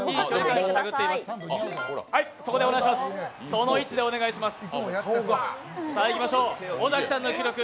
その位置でお願いします。